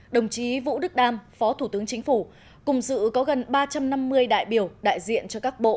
đồng chí vũ đức đam phó thủ tướng chính phủ cùng dự có gần ba trăm năm mươi đại biểu đại diện cho các bộ